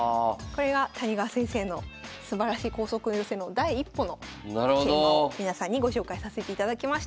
これが谷川先生のすばらしい光速の寄せの第一歩の桂馬を皆さんにご紹介させていただきました。